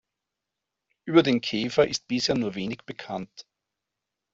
Über den Käfer ist bisher nur wenig bekannt.